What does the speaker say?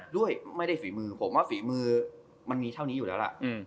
ด้วยไม่ได้ฝีมือผมว่าฝีมือมันมีเท่านี้อยู่แล้วล่ะ